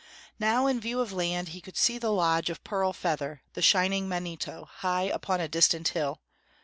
Now in view of land, he could see the lodge of Pearl Feather, the Shining Manito, high upon a distant hill.